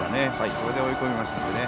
これで追い込みましたね。